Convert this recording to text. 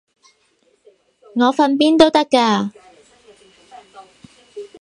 我瞓邊都得㗎